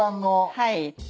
はい。